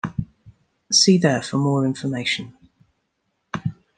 See there for more information.